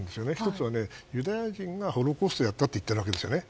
１つはユダヤ人がホロコーストをやったと言っているわけですよね。